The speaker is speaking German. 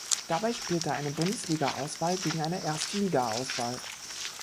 Dabei spielte eine Bundesliga-Auswahl gegen eine Erste-Liga-Auswahl.